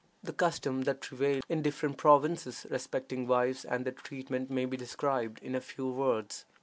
The customs that prevail in different provinces respecting wives and their treatment may be described in a few words.